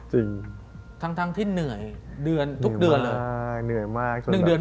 เหรอ